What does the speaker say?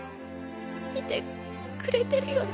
見てくれてるよね？